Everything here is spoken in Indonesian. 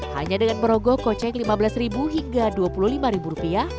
hanya dengan merogoh kocek rp lima belas hingga rp dua puluh lima